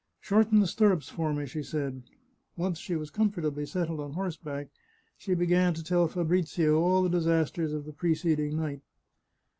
" Shorten the stirrups for me," she said. Once she was comfortably settled on horseback, she began to tell Fabrizio all the disasters of the preceding night.